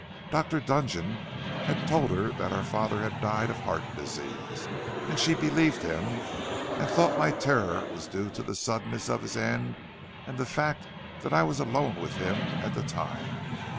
Dr. Dudgeon had told her that our father had died of heart disease, and she believed him, and thought my terror was due to the suddenness of his end and the fact that I was alone with him at the time.